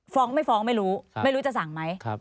ฟ้องไม่ฟ้องไม่รู้ไม่รู้จะสั่งไหม